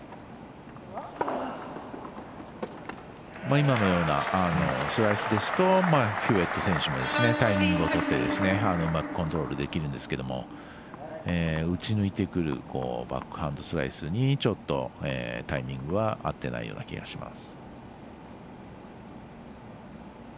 今のようなスライスですとヒューウェット選手もタイミングをとってうまくコントロールできるんですけど打ち抜いてくるバックハンドスライスにちょっと、タイミングは合っていないような気がします。